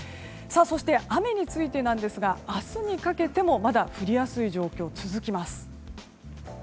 そして雨についてですが明日にかけてもまだ降りやすい状況が続きます。